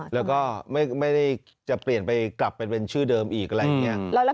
แล้วก็ไม่ได้จะเปลี่ยนไปกลับเป็นชื่อเดิมอีกอะไรอย่างนี้